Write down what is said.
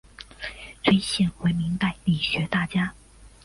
崔铣为明代理学大家。